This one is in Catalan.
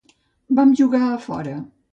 Vam jugar a fora.